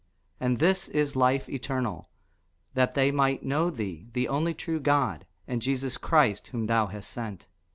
And this is life eternal, that they might know thee the only true God, and Jesus Christ, whom thou hast sent.